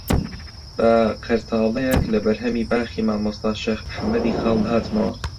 بە قەرتاڵەیەک لە بەرهەمی باخی مامۆستا شێخ محەممەدی خاڵ هاتمەوە